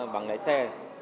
bằng lấy xe